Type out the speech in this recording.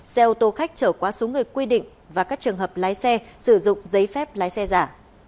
xe ô tô khách chở quá xuống người quy định và các trường hợp lái xe sử dụng giấy phép lái xe giả